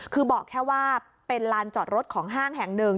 คือบอกแค่ว่าเป็นลานจอดรถของห้างแห่งหนึ่ง